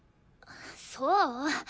そう？